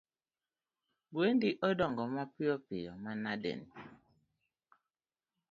Gwendi odongo piyo manadeni!